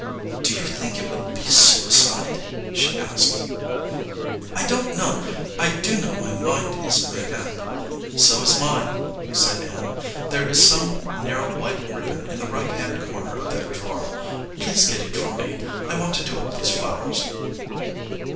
"Do you think it would be suicide?" she asked. "I don t know ; I do know my mind is made up." "So is mine," said Ann. "There is some narrow white ribbon in the right hand corner of that drawer. Please get it for me. I want to do up these flowers."